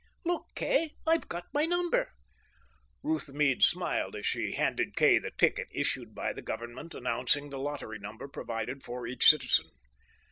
"Look, Kay, I've got my number!" Ruth Meade smiled as she handed Kay the ticket issued by the Government announcing the lottery number provided for each citizen.